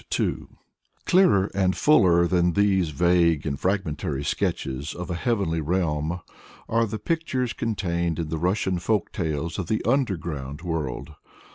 " Clearer and fuller than these vague and fragmentary sketches of a "heavenly realm," are the pictures contained in the Russian folk tales of the underground world.